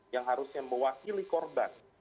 yang harusnya mewakili korban